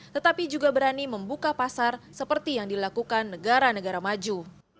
tetapi juga berani membuka pasar seperti yang dilakukan negara negara maju